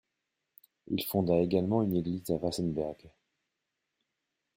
Il fonda également une église à Wassenberg.